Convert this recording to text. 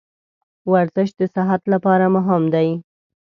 ورزش د صحت لپاره مهم دی.